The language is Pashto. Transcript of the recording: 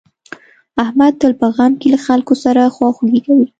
احمد تل په غم کې له خلکو سره خواخوږي کوي.